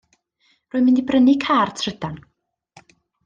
Rwy'n mynd i brynu car trydan.